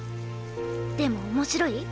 でも面白い？